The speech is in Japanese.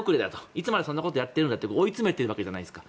いつまでそんなことをやってるんだって追い詰めているわけじゃないですか。